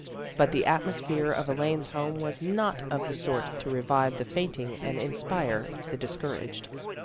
But the atmos phere of Elaine's home was not of the sort to revive the fainting and inspire the discouraged.